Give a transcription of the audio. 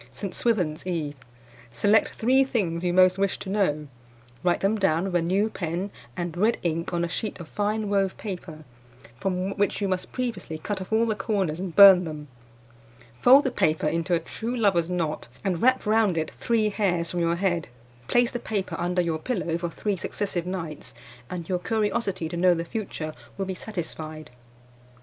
"St. Swithin's Eve. Select three things you most wish to know; write them down with a new pen and red ink on a sheet of fine wove paper, from which you must previously cut off all the corners and burn them. Fold the paper into a true lover's knot, and wrap round it three hairs from your head. Place the paper under your pillow for three successive nights, and your curiosity to know the future will be satisfied.